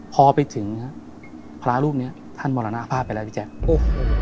พอไปถึงฮะพระรูปเนี้ยท่านมรณภาพไปแล้วพี่แจ๊คโอ้โห